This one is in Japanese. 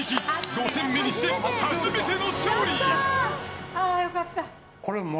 ５戦目にして初めての勝利！